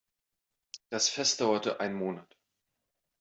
Das Fest dauerte einen Monat.